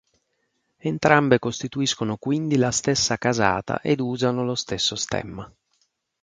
Entrambe costituiscono quindi la stessa casata ed usano lo stesso stemma.